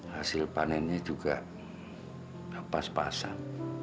hasil panennya juga pas pasan